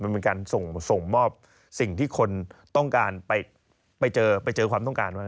เป็นการส่งมอบสิ่งที่คนต้องการไปเจอความต้องการ